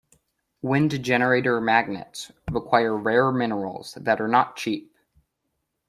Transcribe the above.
Wind generator magnets require rare minerals that are not cheap.